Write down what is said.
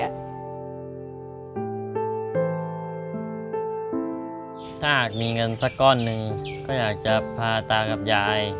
ถ้าหากมีเงินสักก้อนหนึ่งก็อยากจะพาตากับยาย